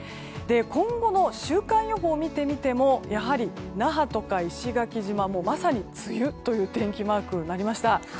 今後の週間予報を見てもやはり那覇とか石垣島はまさに梅雨という天気マークとなりました。